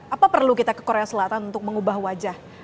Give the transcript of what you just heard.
apa perlu kita ke korea selatan untuk mengubah wajah